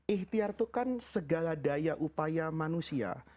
ikhtiar itu kan segala daya upaya manusia